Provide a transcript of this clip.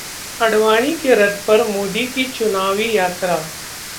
आडवाणी के रथ पर मोदी की चुनावी यात्रा